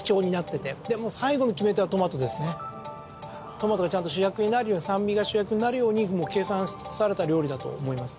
トマトがちゃんと主役になるように酸味が主役になるように計算し尽くされた料理だと思います